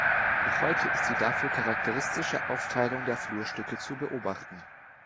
Noch heute ist die dafür charakteristische Aufteilung der Flurstücke zu beobachten.